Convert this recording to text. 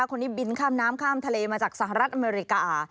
คนนี้บินข้ามน้ำข้ามทะเลมาจากสหรัฐอเมริกา